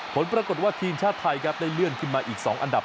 ผลปรากฏว่าทีมชาติไทยครับได้เลื่อนขึ้นมาอีก๒อันดับ